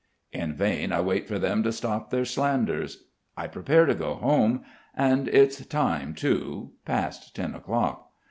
In vain I wait for them to stop their slanders. I prepare to go home. And it's time, too. Past ten o'clock.